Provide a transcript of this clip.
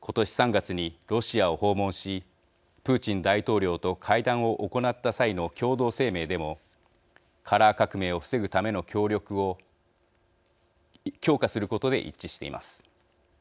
今年３月にロシアを訪問しプーチン大統領と会談を行った際の共同声明でもカラー革命を防ぐための協力を強化することで一致しています。